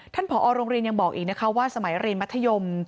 ผอโรงเรียนยังบอกอีกนะคะว่าสมัยเรียนมัธยม